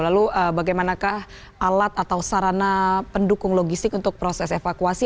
lalu bagaimanakah alat atau sarana pendukung logistik untuk proses evakuasi